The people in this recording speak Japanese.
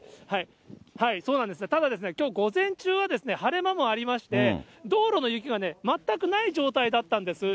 ただきょう午前中は晴れ間もありまして、道路の雪がね、全くない状態だったんです。